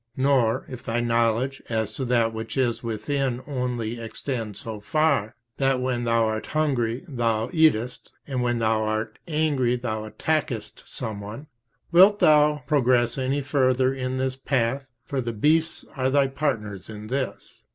Nor, if thy knowledge as to that which is within only extends so far, that when thou art hungry thou eatest, and when thou art angry thou attackest some one, wilt thou progress any further in this path, for the beasts are thy partners in this?